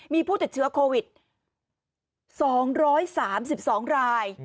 มีผู้ติดเชื้อโควิด๒๓๒ราย